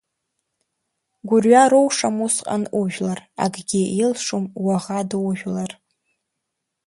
Гәырҩа роушам усҟан ужәлар, акгьы илшом уаӷа дужәлар.